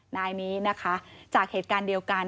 นายนี้นะคะจากเหตุการณ์เดียวกัน